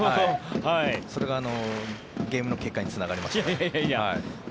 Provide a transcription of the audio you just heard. それがゲームの結果につながりましたね。